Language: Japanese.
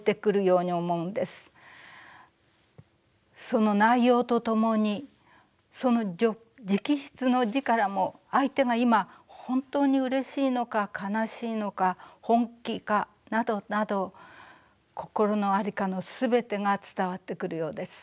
その内容とともにその直筆の字からも相手が今本当にうれしいのか悲しいのか本気かなどなど心のありかの全てが伝わってくるようです。